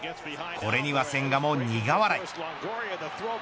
これには千賀も苦笑い。